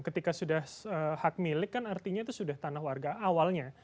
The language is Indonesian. ketika sudah hak milik kan artinya itu sudah tanah warga awalnya